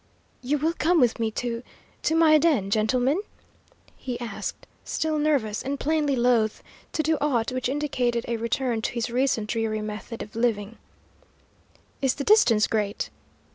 "You will come with me to to my den, gentlemen?" he asked, still nervous, and plainly loath to do aught which indicated a return to his recent dreary method of living. "Is the distance great?"